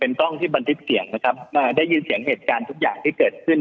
กล้องที่บันทึกเสียงนะครับอ่าได้ยินเสียงเหตุการณ์ทุกอย่างที่เกิดขึ้น